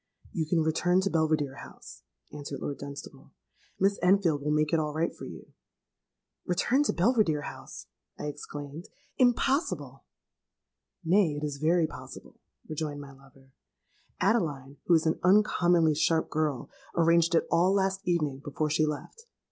_'—'You can return to Belvidere House,' answered Lord Dunstable: 'Miss Enfield will make it all right for you.'—'Return to Belvidere House!' I exclaimed: 'impossible!'—'Nay, it is very possible,' rejoined my lover: 'Adeline, who is an uncommonly sharp girl, arranged it all last evening before she left.